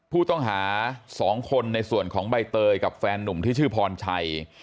ผู้ต้องหา๒คนในส่วนของใบเตยกับแฟนนุ่มที่ชื่อพรชัย